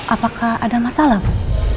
apakah ada masalah bu